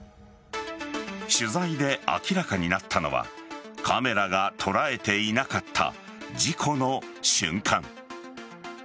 取材で明らかになったのはカメラが捉えていなかった事故の瞬間。